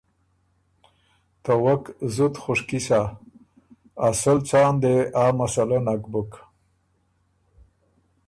ته وک زُت خوشکی سۀ، اسل څان دې آ مسلۀ نک بُک۔